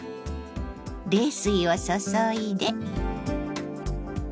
冷水を注いで。